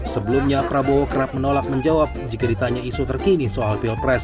sebelumnya prabowo kerap menolak menjawab jika ditanya isu terkini soal pilpres